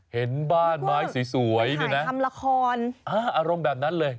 เห็นบ้านไม้สวยนี่นะเป็นข่าวทำระครอ่าอารมณ์แบบนั้นเลย